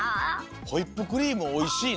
ホイップクリームおいしいの？